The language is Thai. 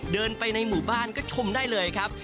เดินไปในหมู่บ้านก็ชมได้เลยครับ